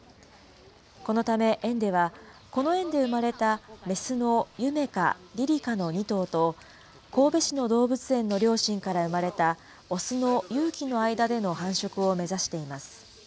このため園では、この園で生まれた雌のゆめ花、りり香の２頭と、神戸市の動物園の両親から生まれた雄の結希の間での繁殖を目指しています。